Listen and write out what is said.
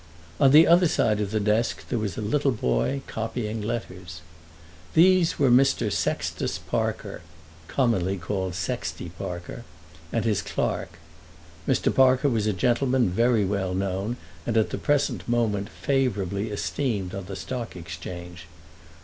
On the other side of the desk there was a little boy copying letters. These were Mr. Sextus Parker, commonly called Sexty Parker, and his clerk. Mr. Parker was a gentleman very well known and at the present moment favourably esteemed on the Stock Exchange.